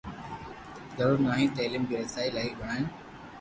ضرورت ناهي. تعليم کي رسائي لائق بڻائڻ